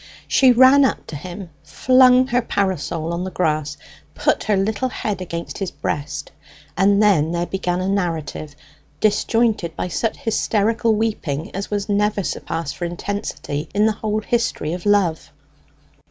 She ran up to him, flung her parasol on the grass, put her little head against his breast, and then there began a narrative, disjointed by such a hysterical weeping as was never surpassed for intensity in the whole history of love.